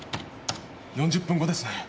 ４０分後ですね。